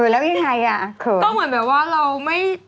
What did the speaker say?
แล้วยังไงอ่ะเขินก็เหมือนแบบว่าเราไม่